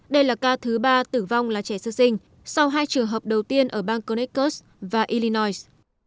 đây là ca thứ ba tử vong là trẻ sơ sinh sau hai trường hợp đầu tiên ở bang conneccus và illinois